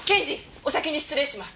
お先に失礼します！